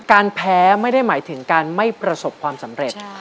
การแพ้ไม่ได้หมายถึงการไม่ประสบความสำเร็จ